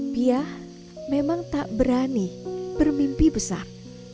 pia memang tak berani bermimpi besar